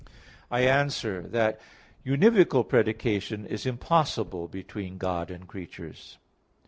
I answer that, Univocal predication is impossible between God and creatures.